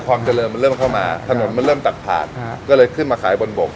ความเจริญมันเริ่มเข้ามาถนนมันเริ่มตัดผ่านก็เลยขึ้นมาขายบนบก